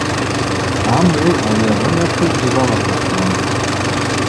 Амгӏви ауи агӏвынакви гьуызалыргахуам.